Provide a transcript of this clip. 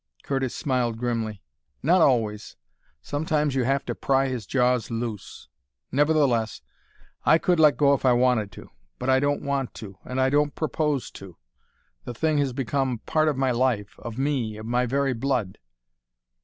Curtis smiled grimly. "Not always; sometimes you have to pry his jaws loose. Nevertheless, I could let go if I wanted to. But I don't want to, and I don't propose to. The thing has become part of my life, of me, of my very blood."